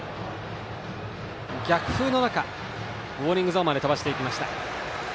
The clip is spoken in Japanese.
逆風の中ウォーニングゾーンまで飛ばしました。